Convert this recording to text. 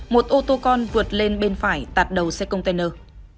một ô tô con vượt lên bên phải tạt đầu xe container